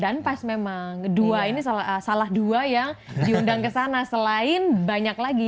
dan pas memang dua ini salah dua yang diundang kesana selain banyak lagi